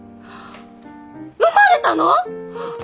産まれたの！？